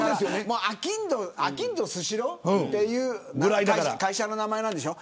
あきんどスシローっていう会社の名前なんでしょ。